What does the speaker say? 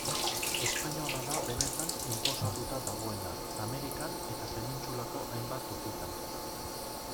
Espainola da benetan inposatuta dagoena, Amerikan eta penintsulako hainbat tokitan.